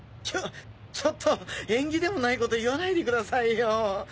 ちょちょっと縁起でもないこと言わないでくださいよ！